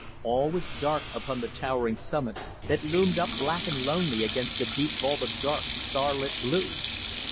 All was dark upon the towering summit, that loomed up black and lonely against the deep vault of dark, star lit blue.